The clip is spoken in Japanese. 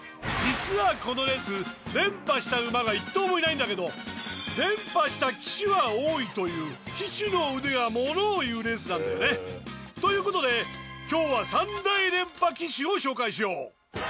実はこのレース連覇した馬が一頭もいないんだけど連覇した騎手は多いという騎手の腕がものをいうレースなんだよね。ということで今日は３大連覇騎手を紹介しよう。